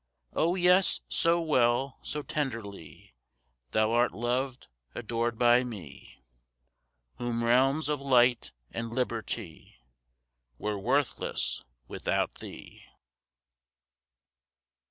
Oh, yes, so well, so tenderly Thou'rt loved, adored by me, Whole realms of light and liberty Were worthless without thee.